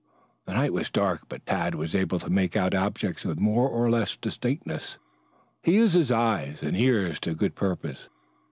The night was dark, but Tad was able to make out objects with more or less distinctness. He used his eyes and ears to good purpose.